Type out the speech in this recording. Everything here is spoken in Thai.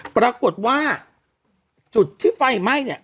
ปรากฏว่าจุดที่ไฟไหม้เนี่ย